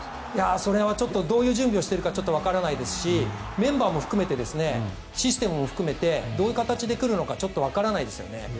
その辺はどういう準備をしているかちょっとわからないですしメンバーも含めてシステムも含めてどういう形で来るのかちょっとわからないですよね。